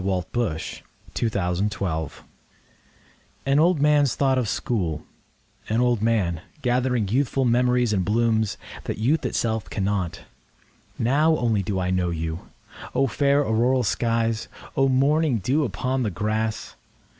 An Old Man's Thought of School AN old man's thought of School; An old man, gathering youthful memories and blooms, that youth itself cannot. Now only do I know you!O fair auroral skies! O morning dew upon the grass!